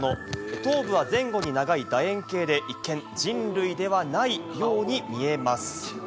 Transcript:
頭部は前後に長い楕円形で、一見、人類ではないように見えます。